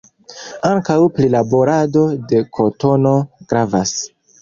Ankaŭ prilaborado de kotono gravas.